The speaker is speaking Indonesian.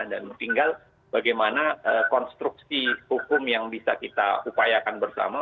dan tinggal bagaimana konstruksi hukum yang bisa kita upayakan bersama